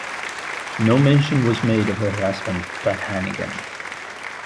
No mention was made of her husband Pat Hannigan.